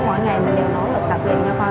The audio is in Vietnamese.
mình có mỗi ngày mình đều nỗ lực tập đi cho con